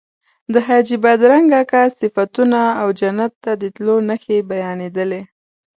د حاجي بادرنګ اکا صفتونه او جنت ته د تلو نښې بیانېدلې.